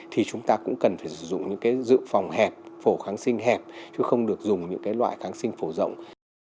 thì chúng ta cũng cần phải sử dụng những cái dự phòng hẹp phổ kháng sinh hẹp chứ không được dùng những loại kháng sinh phổ rộng